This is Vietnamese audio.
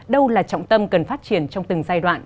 đâu là trọng tâm cần phát triển trong từng giai đoạn